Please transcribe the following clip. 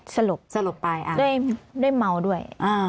สลบไปได้เมาด้วย